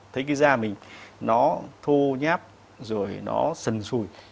thấy cái da mình nó thô nháp rồi nó sần sùi